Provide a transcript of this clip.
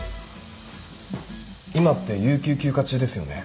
今って有給休暇中ですよね？